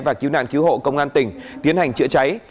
và cứu nạn cứu hộ công an tỉnh tiến hành chữa cháy